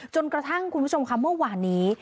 จนกระทั่งคุณผู้ชมค่ะเมื่อวานนี้